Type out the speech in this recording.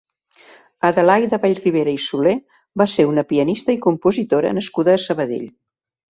Adelaida Vallribera i Soler va ser una pianista i compositora nascuda a Sabadell.